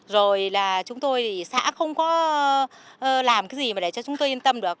rồi là chúng tôi thì xã không có làm cái gì mà để cho chúng tôi yên tâm được